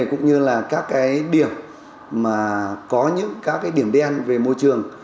cũng như là các cái điểm mà có những các cái điểm đen về môi trường